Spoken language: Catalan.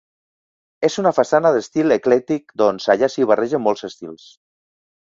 És una façana d'estil eclèctic doncs, allà s'hi barregen molts estils.